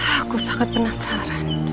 aku sangat penasaran